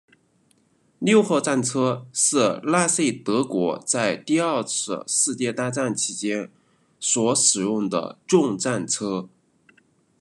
六号战车是纳粹德国在第二次世界大战期间所使用的重战车。